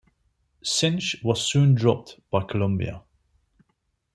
Synch was soon dropped by Columbia.